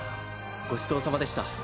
ごちそうさまでした。